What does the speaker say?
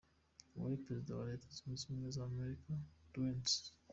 Uwari perezida wa Leta zunze ubumwe za Amerika Dwight D.